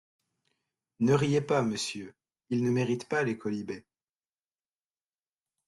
Ne riez pas, monsieur, ils ne méritent pas les quolibets.